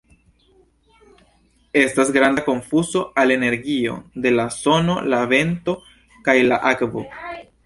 Estas granda fokuso al energio de la sono, la vento, kaj la akvo.